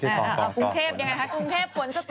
กรุงเทพยังไงคะกรุงเทพฝนจะตก